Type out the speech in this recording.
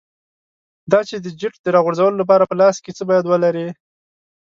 دا چې د جیټ د راغورځولو لپاره په لاس کې څه باید ولرې.